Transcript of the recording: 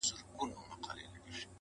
لـــكــه ښـــه اهـنـــگ ـ